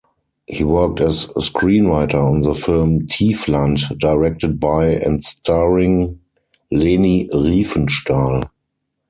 He worked as screenwriter on the film "Tiefland" directed by and starring Leni Riefenstahl.